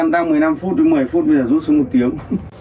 một mươi năm tháng một mươi năm phút một mươi phút bây giờ rút xuống một tiếng